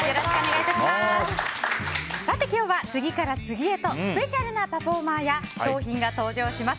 今日は次から次へとスペシャルなパフォーマーや商品が登場します。